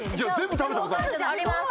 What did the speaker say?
あります！